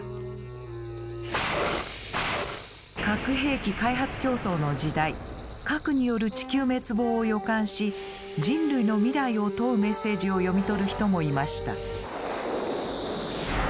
核兵器開発競争の時代核による地球滅亡を予感し人類の未来を問うメッセージを読み取る人もいました。